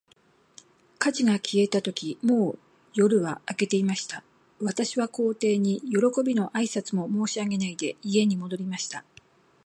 火事が消えたとき、もう夜は明けていました。私は皇帝に、よろこびの挨拶も申し上げないで、家に戻りました。